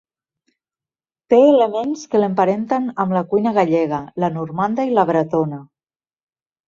Té elements que l'emparenten amb la cuina gallega, la normanda i la bretona.